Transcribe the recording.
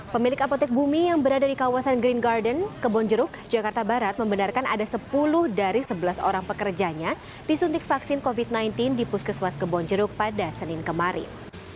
pemilik apotek bumi yang berada di kawasan green garden kebonjeruk jakarta barat membenarkan ada sepuluh dari sebelas orang pekerjanya disuntik vaksin covid sembilan belas di puskesmas kebonjeruk pada senin kemarin